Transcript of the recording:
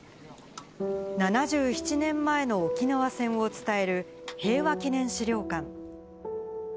７７年前の沖縄戦を伝える平和祈念資料館。